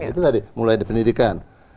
itu tadi mulai di pendidikan